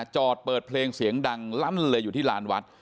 จอดเปิดเพลงเสียงดังลั่นเลยอยู่ที่ลานวัด